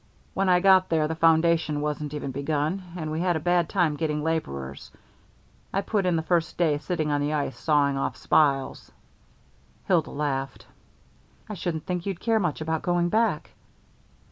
When I got there the foundation wasn't even begun, and we had a bad time getting laborers. I put in the first day sitting on the ice sawing off spiles." Hilda laughed. "I shouldn't think you'd care much about going back."